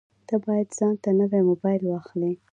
ته باید ځانته نوی مبایل واخلې